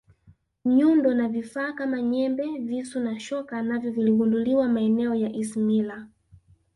nyundo na vifaa Kama nyembe visu na shoka navyo viligunduliwa maeneo ya ismila